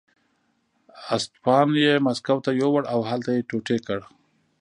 اسټپان یې مسکو ته یووړ او هلته یې ټوټې کړ.